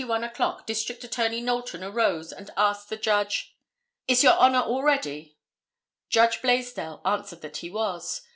] At 10:31 o'clock District Attorney Knowlton arose and asked the Judge, "Is Your Honor all ready?" Judge Blaisdell answered that he was.